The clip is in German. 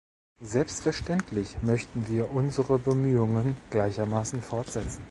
Selbstverständlich möchten wir unsere Bemühungen gleichermaßen fortsetzen.